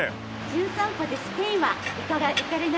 『じゅん散歩』でスペインは行かれないんですか？